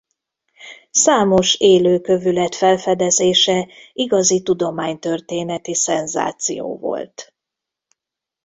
Számos élő kövület felfedezése igazi tudománytörténeti szenzáció volt.